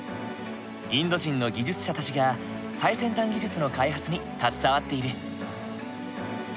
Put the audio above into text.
インド人の技術者たちが最先端技術の開発に携わっている。